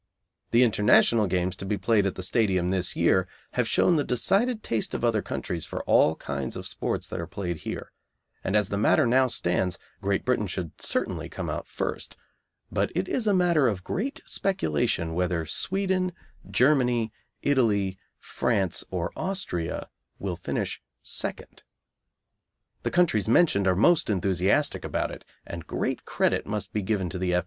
The International games to be played at the Stadium this year have shown the decided taste of other countries for all kinds of sports that are played here, and as the matter now stands Great Britain should certainly come out first, but it is a matter of great speculation whether Sweden, Germany, Italy, France, or Austria will finish second. The countries mentioned are most enthusiastic about it, and great credit must be given to the F.